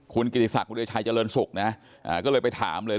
คุณกิษักท์พุทธศัยเจริญสุขนะก็เลยไปถามเลย